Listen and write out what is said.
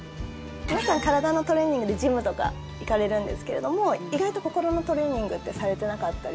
皆さん、体のトレーニングでジムとか行かれるんですけれども意外と心のトレーニングってされてなかったり。